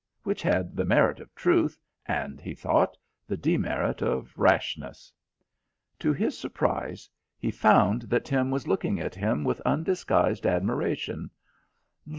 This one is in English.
Which had the merit of truth, and, he thought, the demerit of rashness. To his surprise he found that Tim was looking at him with undisguised admiration.